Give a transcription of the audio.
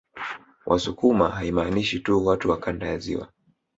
Wasukuma haimaanishi tu watu wa kanda ya ziwa